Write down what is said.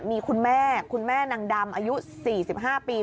มีคุณแม่คุณแม่นางดำอายุ๔๕ปี